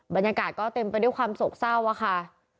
บรรยากาศก็เต็มไปด้วยความโศกเศร้าค่ะ